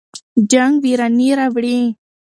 جنګ ویراني راوړي.